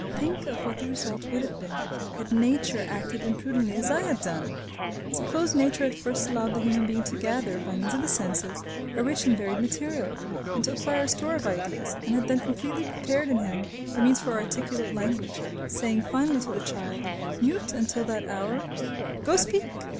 Think of what the result would have been had Nature acted imprudently as I had done! Suppose Nature had first allowed the human being to gather, by means of the senses, a rich and varied material, and to acquire a store of ideas, and had then completely prepared in him the means for articulate language, saying finally to the child, mute until that hour, "Go–Speak!"